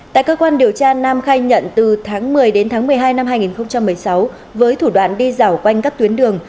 tại cơ quan điều tra nam khai nhận từ tháng một mươi đến tháng một mươi hai năm hai nghìn một mươi sáu với thủ đoạn đi dạo quanh các tuyến đường